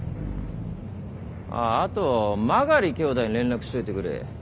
あっあとマガリ兄弟に連絡しといてくれ。